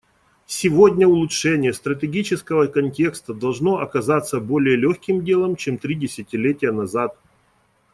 Сегодня улучшение стратегического контекста должно оказаться более легким делом, чем три десятилетия назад.